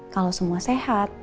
kalau semua sehat